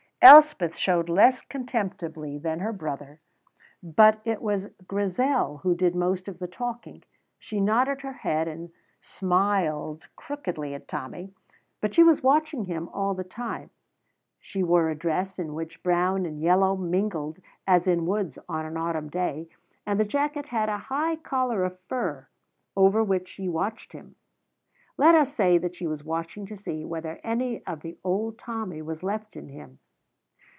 Elspeth showed less contemptibly than her brother, but it was Grizel who did most of the talking. She nodded her head and smiled crookedly at Tommy, but she was watching him all the time. She wore a dress in which brown and yellow mingled as in woods on an autumn day, and the jacket had a high collar of fur, over which she watched him. Let us say that she was watching to see whether any of the old Tommy was left in him.